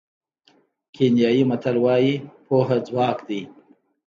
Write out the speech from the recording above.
کینیايي متل وایي پوهه ځواک دی.